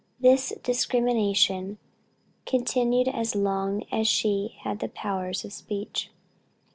This discrimination continued as long as she had the powers of speech.